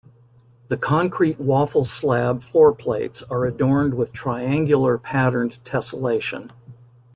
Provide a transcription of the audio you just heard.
The concrete waffle slab floor plates are adorned with triangular-patterned tessellation.